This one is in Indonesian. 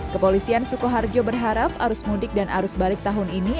kepolisian sukoharjo berharap arus mudik dan arus balik tahun ini